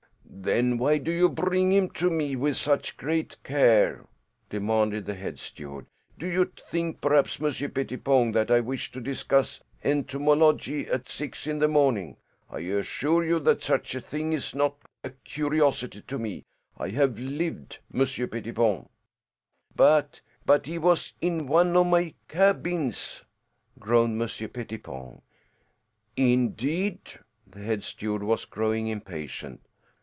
"Then why do you bring him to me with such great care?" demanded the head steward. "Do you think perhaps, Monsieur Pettipon, that I wish to discuss entomology at six in the morning? I assure you that such a thing is not a curiosity to me. I have lived, Monsieur Pettipon." "But but he was in one of my cabins," groaned Monsieur Pettipon. "Indeed?" The head steward was growing impatient.